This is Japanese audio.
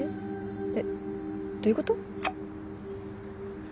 えっどういうこと？